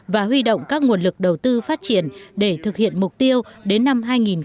và huy động các nguồn lực đầu tư phát triển để thực hiện mục tiêu đến năm hai nghìn ba mươi